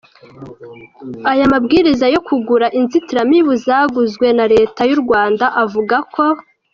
Aya mabwiriza yo kugura inzitiramibu zaguzwe na leta y’u Rwanda avuga ko:.